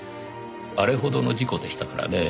あれほどの事故でしたからねぇ